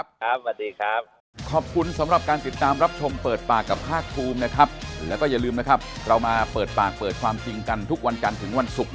บอกแล้วกันแต่ว่ายังไงเรื่องนี้ก็ต้องติดตามกันต่อนะครับ